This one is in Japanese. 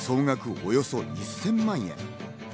およそ１０００万円。